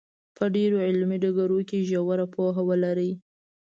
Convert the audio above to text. په ډېرو علمي ډګرونو کې ژوره پوهه ولري.